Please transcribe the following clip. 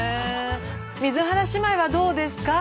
水原姉妹はどうですか？